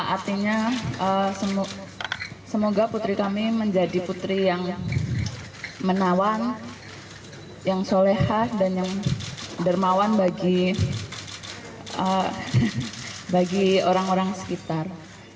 artinya semoga putri kami menjadi putri yang menawan yang soleha dan yang dermawan bagi orang orang sekitar